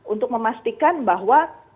untuk memastikan bahwa